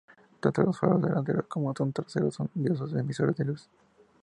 Tanto los faros delanteros como son traseros son diodos emisores de luz.